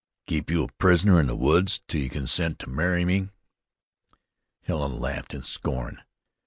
"Keep you a prisoner in the woods till you consent to marry me." Helen laughed in scorn.